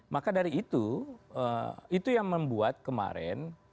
maka dari itu itu yang membuat kemarin